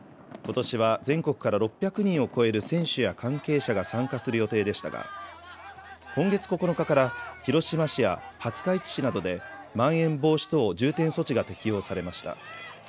ことしは全国から６００人を超える選手や関係者が参加する予定でしたが今月９日から広島市や廿日市市などでまん延防止等重点措置が適用されました。